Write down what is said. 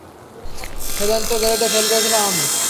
Seventh গ্রেডে fail করেছিলাম আমি!